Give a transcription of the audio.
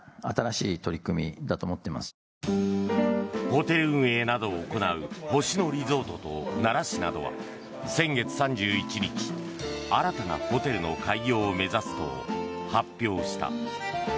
ホテル運営などを行う星野リゾートと奈良市などは先月３１日、新たなホテルの開業を目指すと発表した。